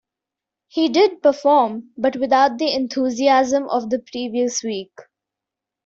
He did perform, but without the enthusiasm of the previous week.